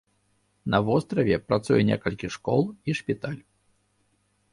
На востраве працуе некалькі школ і шпіталь.